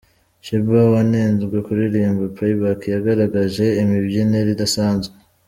Sheebah wanenzwe kuririmba ’Playback’, yagaragaje imibyinire idasanzwe.